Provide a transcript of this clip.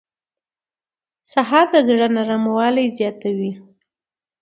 سهار د زړه نرموالی زیاتوي.